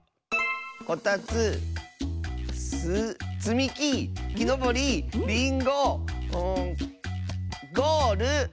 「こたつつつみききのぼりリンゴ」「ゴール」！